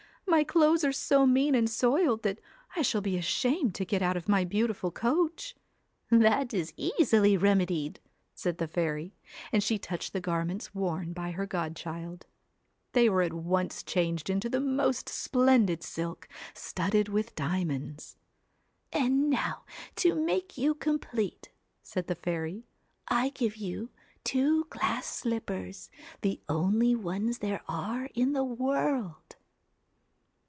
my clothes are so mean and soiled, that I shall be ashamed to get out of my beautiful coach.' ' That is easily remedied,' said the fairy, and she touched the garments worn by her godchild. They were at once changed into the most splendid silk, studded with diamonds. 'And now to make you complete,' said the fairy, 1 1 give you two glass slippers, the only ones there are in the world.'